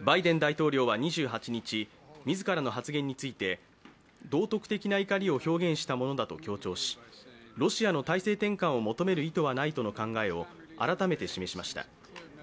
バイデン大統領は２８日、自らの発言について道徳的な怒りを表現した者だと強調し、ロシアの体制転換を求める意図はないとの考えを改めて示しました。